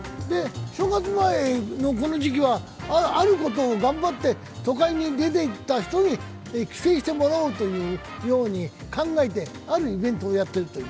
正月前のこの時期はあることを頑張って、都会に出て行った人に帰省してもらおうというように考えて、あるイベントをやっているという。